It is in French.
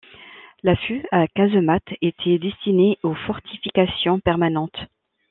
L’affût à casemate était destiné aux fortifications permanentes.